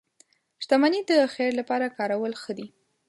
• شتمني د خیر لپاره کارول ښه دي.